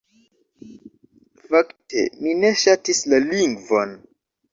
Fakte, mi ne ŝatis la lingvon.